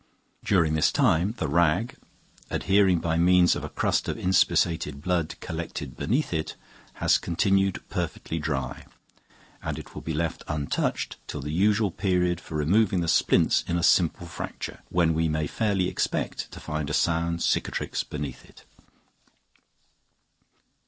During this time the rag, adhering by means of a crust of inspissated blood collected beneath it, has continued perfectly dry, and it will be left untouched till the usual period for removing the splints in a simple fracture, when we may fairly expect to find a sound cicatrix beneath it.